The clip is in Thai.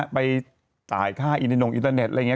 ไปจ่ายค่าอินเทนงอินเตอร์เน็ตอะไรอย่างนี้